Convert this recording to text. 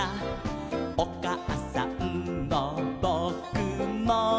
「おかあさんもぼくも」